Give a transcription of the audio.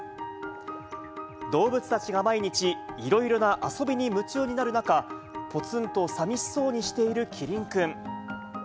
動物たちが毎日、いろいろな遊びに夢中になる中、ぽつんとさみしそうにしているキリンくん。